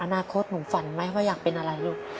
อนาคตหนูฝันไหมว่าอยากเป็นอะไรลูก